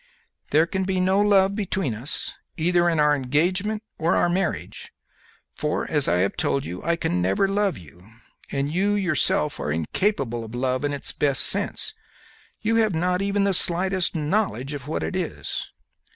"There can be no love between us, either in our engagement or our marriage, for, as I have told you, I can never love you, and you yourself are incapable of love in its best sense; you have not even the slightest knowledge of what it is.